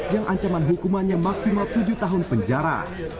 yang ancaman hukumannya maksimal tujuh tahun penjara